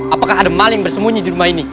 apakah ada maling bersembunyi di rumah ini